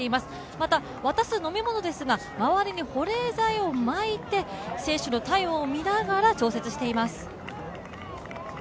また、渡す飲み物ですが、周りに保冷剤を巻いて選手の体温を見ながら調節しています。